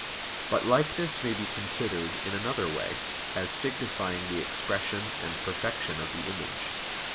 But likeness may be considered in another way, as signifying the expression and perfection of the image.